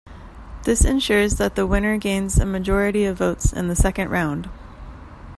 This ensures that the winner gains a majority of votes in the second round.